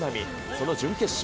その準決勝。